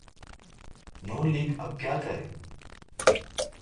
ن لیگ اب کیا کرے؟